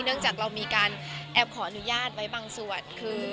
เนื่องจากเรามีการแอบของนุญาตไว้บางส่วน